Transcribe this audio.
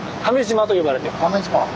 亀島。